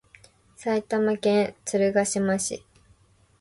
埼玉県鶴ヶ島市